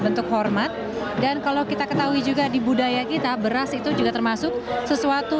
bentuk hormat dan kalau kita ketahui juga di budaya kita beras itu juga termasuk sesuatu